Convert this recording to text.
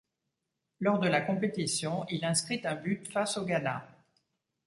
Lors de la compétition, il inscrit un but face au Ghana.